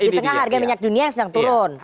di tengah harga minyak dunia yang sedang turun